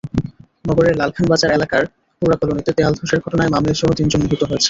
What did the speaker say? নগরের লালখান বাজার এলাকার পোড়া কলোনিতে দেয়ালধসের ঘটনায় মা-মেয়েসহ তিনজন নিহত হয়েছেন।